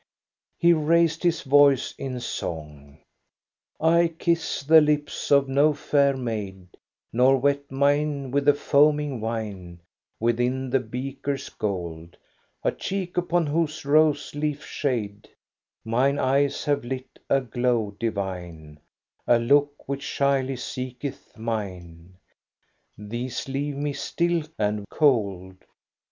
He nused his voice in song :— 88 THE STORY OF GOSTA BERLING ^* I kiss the lips of no fair maid, Nor wet mine with the foaming wine Within the beaker's gold. A cheek upon whose rose leaf shade Mine eyes have lit a glow divine, A look which shyly seeketh mine, — These leave me still and cold.